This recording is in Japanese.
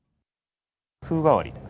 風変わり？